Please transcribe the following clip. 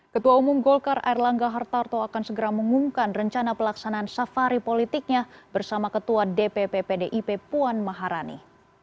ketua umum golkar air langga hartarto akan segera mengumumkan rencana pelaksanaan safari politiknya bersama ketua dpp pdip puan maharani